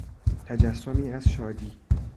تجسمی از شادی